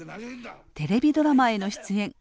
テレビドラマへの出演。